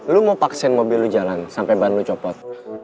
lo mau paksain mobil lo jalan sampai bahan lo copot